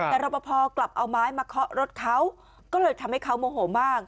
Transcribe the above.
แต่รอปภกลับเอาไม้มาเคาะรถเขาก็เลยทำให้เขาโมโหมาก